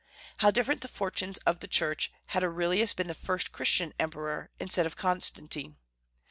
How different the fortunes of the Church had Aurelius been the first Christian emperor instead of Constantine!